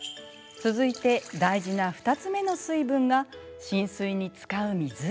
続いて、大事な２つ目の水分が浸水に使う水。